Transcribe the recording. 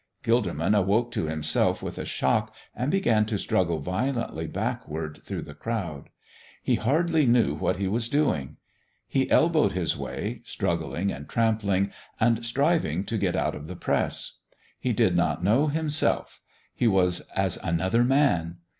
Gilderman awoke to himself with a shock and began to struggle violently backward through the crowd. He hardly knew what he was doing. He elbowed his way, struggling and trampling, and striving to get out of the press. He did not know himself; he was as another man.